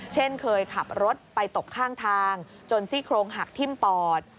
เช่นเคยขับรถไปตกข้างทางจนซี่โครงหักทิ้มปอด